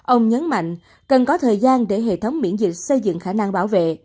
ông nhấn mạnh cần có thời gian để hệ thống miễn dịch xây dựng khả năng bảo vệ